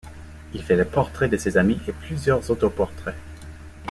Il fait le portrait de ses amis et plusieurs autoportraits.